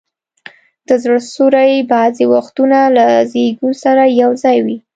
د زړه سوري بعضي وختونه له زیږون سره یو ځای وي.